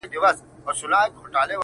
ساقي واخله ټول جامونه پرې خړوب که-